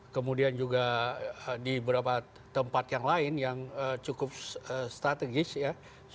kemudian juga di beberapa tempat yang lain yang cukup strategis ya